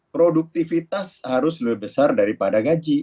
produktivitas harus lebih besar daripada gaji